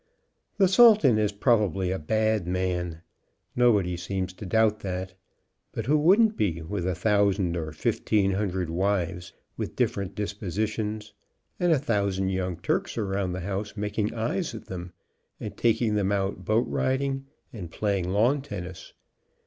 The Sultan is probably a bad man. No body seems to doubt that. But who wouldn't be, with a thousand or fifteen hundred wives, with differ ent dispositions, and a thousand young Turks around the house making eyes at them, and taking them out boat riding, and playing lawn tennis.